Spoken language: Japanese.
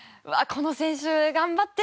この選手頑張ってるな